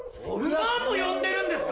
馬も呼んでるんですか？